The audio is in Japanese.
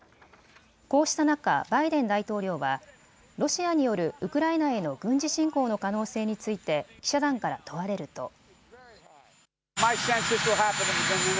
こうした中、バイデン大統領はロシアによるウクライナへの軍事侵攻の可能性について記者団から問われると。